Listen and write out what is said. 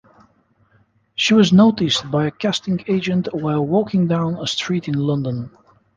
She was noticed by a casting agent while walking down a street in London.